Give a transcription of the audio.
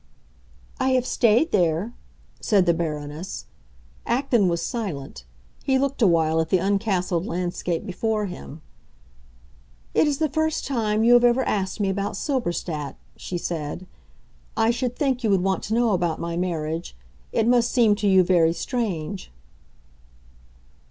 "I have stayed there," said the Baroness. Acton was silent; he looked a while at the uncastled landscape before him. "It is the first time you have ever asked me about Silberstadt," she said. "I should think you would want to know about my marriage; it must seem to you very strange."